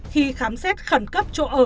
khi khám xét khẩn cấp chỗ ở